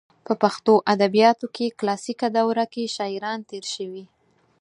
په پښتو ادبیاتو کلاسیکه دوره کې شاعران تېر شوي.